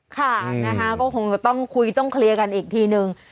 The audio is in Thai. ค่ะนะคะก็คงจะต้องคุยต้องเคลียร์กันอีกทีนึง